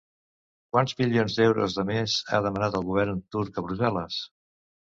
Quants milions d'euros de més ha demanat el govern turc a Brussel·les?